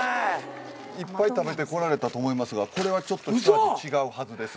いっぱい食べてこられたと思いますがこれはちょっと一味違うはずです。